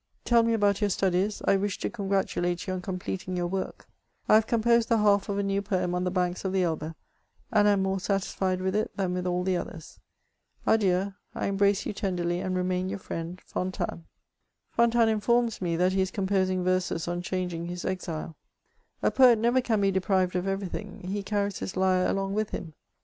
Tell me CHATEAUBRIAND. 418 about your studies ; I wish to congratulate you on completing your work : I have composed the half of a new poem on the banks of the Elbe, and am more satisfied with it than with all the others. Adieu, I embrace you tenderly, and remain your friend, «* FOWTANES." Fontanes informs me that he is composing verses on changing bis enle. A poet never can be deprived of every thing ; he carries his lyre along with him.